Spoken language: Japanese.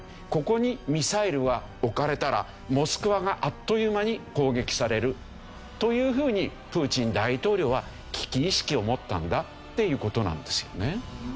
ここにミサイルが置かれたらモスクワがあっという間に攻撃されるというふうにプーチン大統領は危機意識を持ったんだっていう事なんですよね。